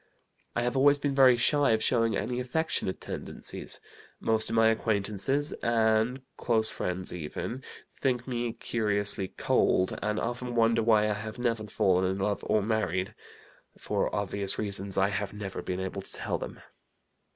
"I have always been very shy of showing any affectionate tendencies. Most of my acquaintances (and close friends even) think me curiously cold, and often wonder why I have never fallen in love or married. For obvious reasons I have never been able to tell them.